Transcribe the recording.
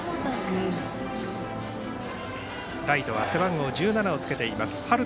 ライトは背番号１７をつけています